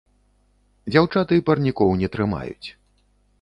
Дзяўчаты парнікоў не трымаюць.